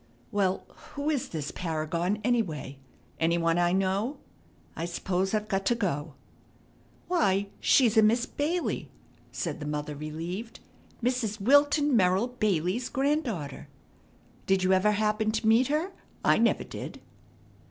"Well, who is this paragon, anyway? Any one I know? I s'pose I've got to go." "Why, she's a Miss Bailey," said the mother, relieved. "Mrs. Wilton Merrill Bailey's granddaughter. Did you ever happen to meet her? I never did."